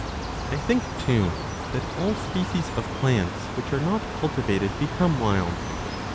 I think, too, that 30 all species of plants which are not cultivated become wild.